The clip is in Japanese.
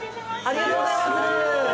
ありがとうございます。